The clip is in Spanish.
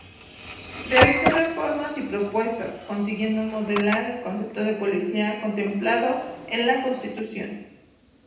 Realizó reformas y propuestas, consiguiendo modelar el concepto de policía contemplado en la Constitución.